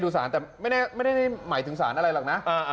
สารแต่ไม่ได้หมายถึงสารอะไรหรอกนะ